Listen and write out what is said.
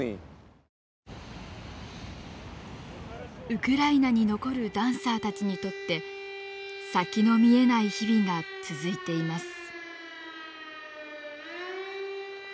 ウクライナに残るダンサーたちにとって先の見えない日々が続いています。